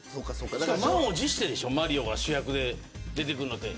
満を持してでしょマリオが主役で出てくるのは。